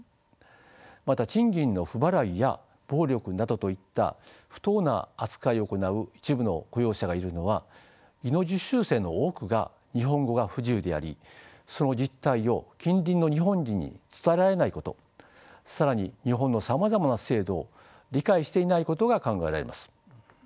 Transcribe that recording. また賃金の不払いや暴力などといった不当な扱いを行う一部の雇用者がいるのは技能実習生の多くが日本語が不自由でありその実態を近隣の日本人に伝えられないこと更に日本のさまざまな制度を理解していないことが考えられます。